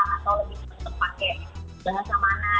atau lebih suka pake bahasa mana